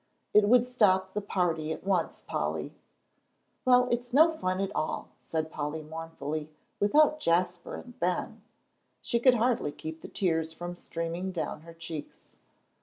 "It would stop the party at once, Polly." "Well, it's no fun at all," said Polly, mournfully, "without Jasper and Ben." She could hardly keep the tears from streaming down her cheeks.